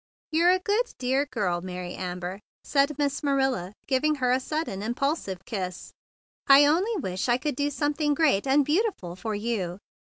"You're a good, dear girl, Mary Am¬ ber," said Miss Marilla, giving her a sudden impulsive kiss. "I only wish I could do something great and beauti¬ ful for you."